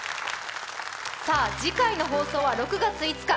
次回の放送は６月５日。